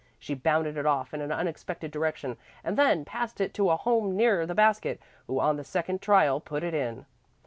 She bounded it off in an unexpected direction and then passed it to a home nearer the basket, who on the second trial put it in.